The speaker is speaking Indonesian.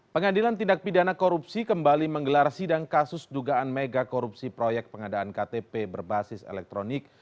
pengadilan tindak pidana korupsi kembali menggelar sidang kasus dugaan mega korupsi proyek pengadaan ktp berbasis elektronik